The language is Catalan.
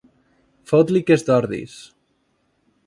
Fot-li que és d'Ordis.